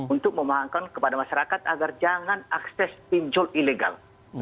untuk memahangkan kepada masyarakat agar jangan akses pinjol ilegal